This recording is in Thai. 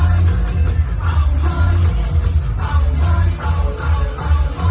หมาพื้นมีนไม่ได้ร้านก็โห